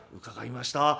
「伺いました。